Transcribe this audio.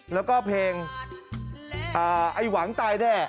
แล้วก็เพลงไอ้หวังตายแด้